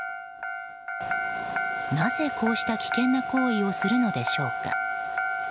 なぜ、こうした危険な行為をするのでしょうか。